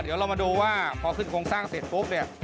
เดี๋ยวเรามาดูว่าพอขึ้นโครงสร้างเสร็จปุ๊บเนี่ย